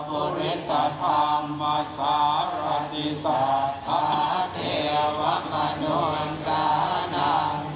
ภูริสัตว์ธรรมชาวราธิสัตว์ภาเทวะมนุษย์สานัง